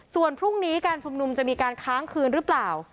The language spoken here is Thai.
ส่วนพรุ่งนี้การชุมนุมจะมีการค้างคืนหรือเปล่า